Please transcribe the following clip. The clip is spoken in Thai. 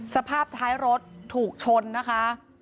สภาพท้ายรถถูกชนนะคะ